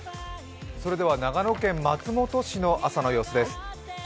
長野県松本市の朝の様子です。